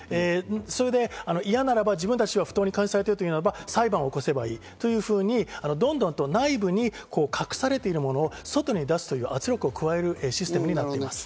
それで嫌ならば自分たちが不当に管理されているというなら裁判を起こせばいいというふうにどんどん内部に隠されているものを外に出すという圧力を加えるシステムになっています。